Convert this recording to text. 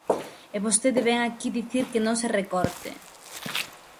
E vostede vén aquí dicir que non se recorte.